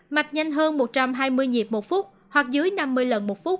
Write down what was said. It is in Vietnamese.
mạch nhanh hơn một trăm hai mươi nhịp một phút hoặc dưới năm mươi lần một phút